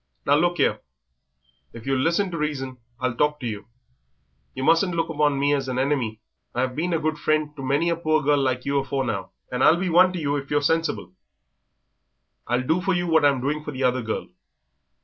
"Now look 'ere, if you'll listen to reason I'll talk to you. Yer mustn't look upon me as a henemy. I've been a good friend to many a poor girl like you afore now, and I'll be one to you if you're sensible. I'll do for you what I'm doing for the other girl.